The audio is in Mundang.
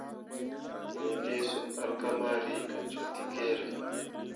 Me lii sum alkamari kah cuu tekere.